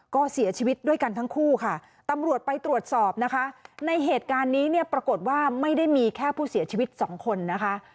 ก็เสียชีวิตด้วยกันทั้งคู่ค่ะตำรวจไปตรวจสอบนะคะในเหตุการณ์นี้เนี่ยปรากฏว่าไม่ได้มีแค่ผู้เสียชีวิตสองคนนะคะ